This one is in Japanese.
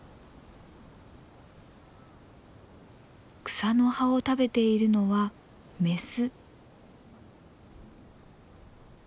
草の葉を食べているのはメス。